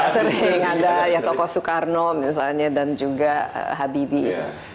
sering ada ya tokoh soekarno misalnya dan juga habibie ya